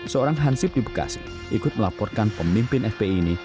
seorang hansib di bekasi ikut melaporkan pemimpin fpi